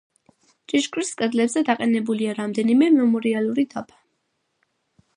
ჭიშკრის კედლებზე დაყენებულია რამდენიმე მემორიალური დაფა.